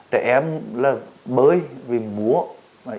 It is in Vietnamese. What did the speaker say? trẻ em là bơi vì múa